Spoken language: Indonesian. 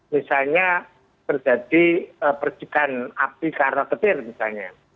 misalnya terjadi percikan api karena petir misalnya